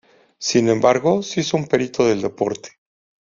Sin embargo, se hizo un perito del deporte.